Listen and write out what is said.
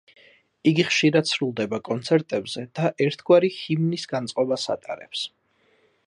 იგი ხშირად სრულდება კონცერტებზე და ერთგვარი ჰიმნის განწყობას ატარებს.